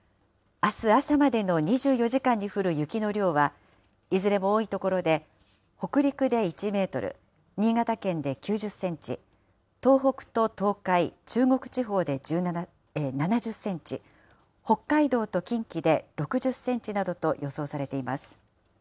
あす朝までの２４時間に降る雪の量は、いずれも多い所で、北陸で１メートル、新潟県で９０センチ、東北と東海、中国地方で７０センチ、北海道と近畿で６０センチなどと予想されています。